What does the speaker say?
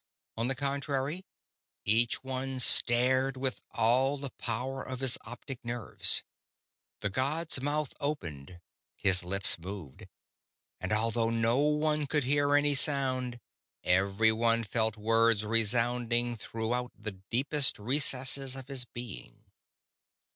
On the contrary, each one stared with all the power of his optic nerves. The god's mouth opened, his lips moved; and, although no one could hear any sound, everyone felt words resounding throughout the deepest recesses of his being.